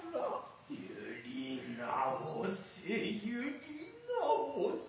ゆり直せゆり直せ。